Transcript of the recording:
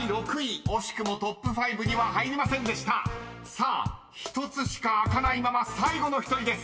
［さあ１つしか開かないまま最後の１人です］